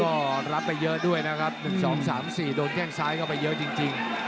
ก็รับไปเยอะด้วยนะครับ๑๒๓๔โดนแข้งซ้ายเข้าไปเยอะจริง